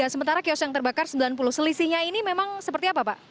sementara kios yang terbakar sembilan puluh selisihnya ini memang seperti apa pak